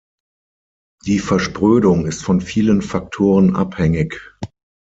Die Versprödung ist von vielen Faktoren abhängig.